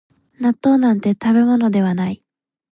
納豆なんて食べ物ではない